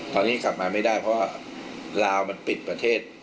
ตอนนี้กลับมาไม่ได้เพราะว่าลาวมันปิดประเทศ